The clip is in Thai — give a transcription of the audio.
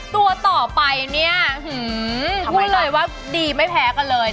ตัวต่อไปเนี่ยพูดเลยว่าดีไม่แพ้กันเลย